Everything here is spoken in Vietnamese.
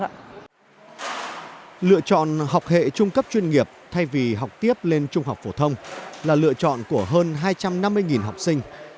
lựa chọn học hệ trung cấp chuyên nghiệp thay vì học tiếp lên trung học phổ thông là lựa chọn của hơn hai trăm năm mươi học sinh